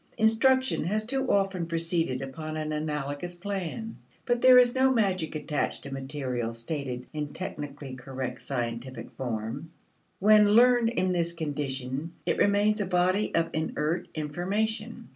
Instruction has too often proceeded upon an analogous plan. But there is no magic attached to material stated in technically correct scientific form. When learned in this condition it remains a body of inert information.